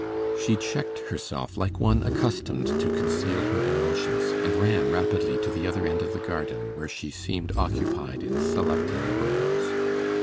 She checked herself like one accustomed to conceal her emotions, and ran rapidly to the other end of the garden, where she seemed occupied in selecting a rose.